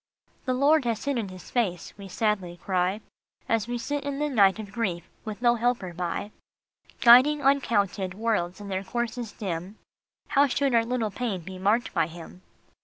The Lord has hidden his face," we sadly cry, As we sit in the night of grief with no helper by. " Guiding uncounted worlds in their courses dim, How should our little pain be marked by him?"